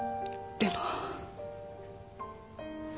でも？